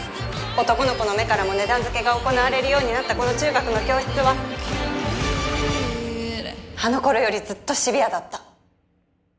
男の子の目からも値段付けが行われるようになったこの中学の教室はあの頃よりずっとシビアだった。